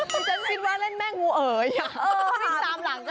พี่ฉันคิดว่าเล่นแม่งงูเอ๋อย่าง